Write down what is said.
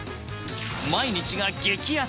毎日が激安。